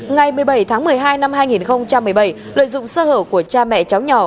ngày một mươi bảy tháng một mươi hai năm hai nghìn một mươi bảy lợi dụng sơ hở của cha mẹ cháu nhỏ